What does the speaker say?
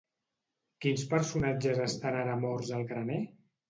Quins personatges estan ara morts al graner?